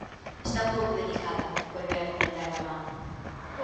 "Está un pouco delicada", volvera comentar mamá."